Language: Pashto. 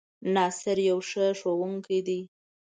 ناصر يو ښۀ ښوونکی دی